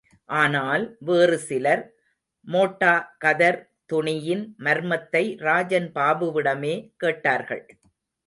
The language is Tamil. ஆனால், வேறு சிலர், மோட்டா கதர் துணியின் மர்மத்தை ராஜன் பாபுவிடமே கேட்டார்கள்.